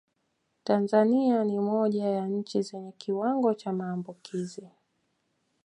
Tanzania ni moja ya nchi zenye kiwango cha maambukizi